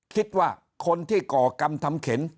คิดว่าคนที่ก่อกรรมทำเข็น